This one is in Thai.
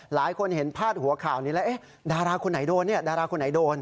หลายคนเห็นพาดหัวข่าวนี้แล้วดาราคนไหนโดน